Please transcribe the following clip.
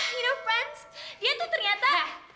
you know friends dia tuh ternyata